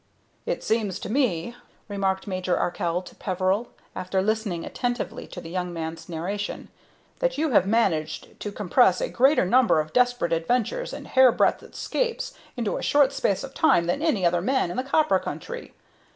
"It seems to me," remarked Major Arkell to Peveril, after listening attentively to the young man's narration, "that you have managed to compress a greater number of desperate adventures and hair breadth escapes into a short space of time than any other man in the Copper Country.